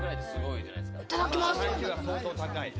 いただきます。